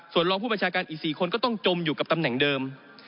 ส่วนรองผู้ประชาการอีก๔คนก็ต้องจมอยู่กับตำแหน่งเดิม